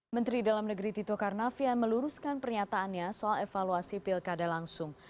menteri dalam negeri tito karnavian meluruskan pernyataannya soal evaluasi pilkada langsung